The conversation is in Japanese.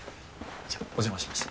じゃあお邪魔しました。